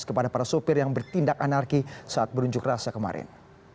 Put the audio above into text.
kepada para sopir yang bertindak anarki saat berunjuk rasa kemarin